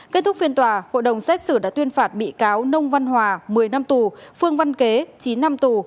kết thúc phiên tòa hội đồng xét xử đã tuyên phạt bị cáo nông văn hòa một mươi năm tù phương văn kế chín năm tù